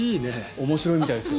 面白いみたいですよ。